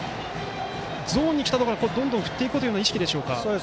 ゾーンに来たものはどんどん振っていくという意識でしょうか。